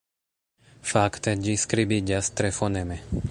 Fakte ĝi skribiĝas tre foneme.